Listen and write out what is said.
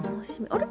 あれ？